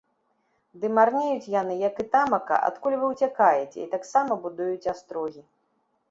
Ды марнеюць яны, як і тамака, адкуль вы ўцякаеце, і таксама будуюць астрогі.